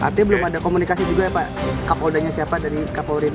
artinya belum ada komunikasi juga ya pak kapoldanya siapa dari kapolri ini